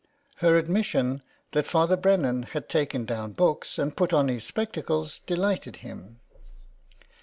" Her admission that Father Brennan had taken down books and put on his spectacles delighted him.